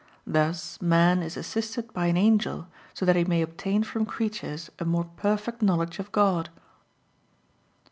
Thus man is assisted by an angel so that he may obtain from creatures a more perfect knowledge of God.